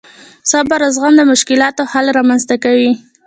صبر او زغم د مشکلاتو حل رامنځته کوي.